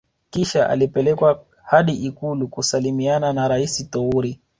Kisha alipelekwa hadi ikulu kusalimiana na Rais Toure